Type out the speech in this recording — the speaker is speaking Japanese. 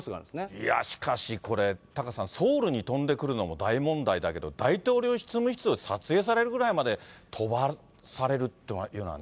いやしかし、これ、タカさん、ソウルに飛んでくるのも大問題だけど、大統領執務室を撮影されるぐらいまで飛ばされるっていうのはね。